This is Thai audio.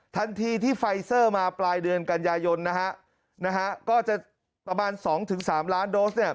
ทันทีที่ไฟเซอร์มาปลายเดือนกันยายนประมาณ๒๓ล้านโดส